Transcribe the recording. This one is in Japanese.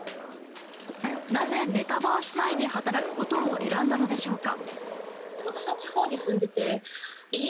なぜメタバース内で働くことを選んだのでしょうか。